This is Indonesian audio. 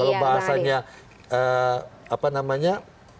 kalau bahasanya apa namanya